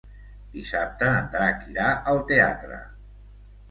Dissabte en Drac irà al teatre.